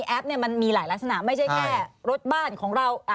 มันมีหลายลักษณะไม่ใช่แค่รถบ้านของเรา